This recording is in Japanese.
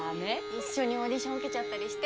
一緒にオーディション受けちゃったりして？